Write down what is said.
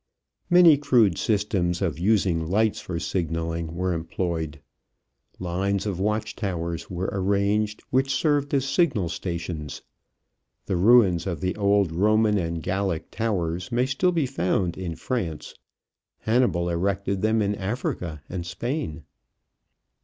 Many crude systems of using lights for signaling were employed. Lines of watch towers were arranged which served as signal stations. The ruins of the old Roman and Gallic towers may still be found In France. Hannibal erected them in Africa and Spain.